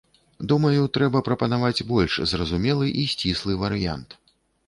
Думаю, трэба прапанаваць больш зразумелы і сціслы варыянт.